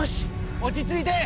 落ち着いて。